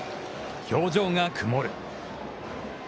表情が曇る。